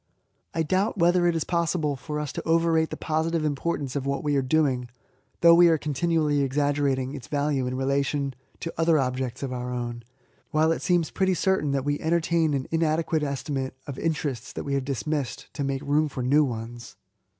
I doubt whether it is possible for us to overrate the positive importance of what we are doing, though we are continually exaggerating its value in rela* tion to other objects of our own, while it seems pretty certain that we entertain an inade(}»etcr estimate of interests that we hajffT £smissed, to make room for new oa«r.